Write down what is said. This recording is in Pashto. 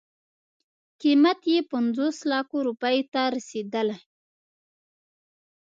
قیمت یې پنځوس لکو روپیو ته رسېدله.